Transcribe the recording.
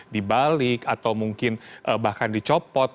dibalik atau mungkin bahkan dicopot